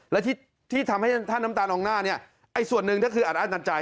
และที่ที่ทำให้ท่านน้ำตานองหน้าเนี้ยอันอันตัดใจ